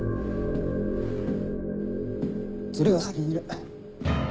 連れが先にいる。